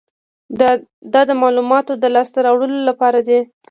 دا د معلوماتو د لاسته راوړلو لپاره دی.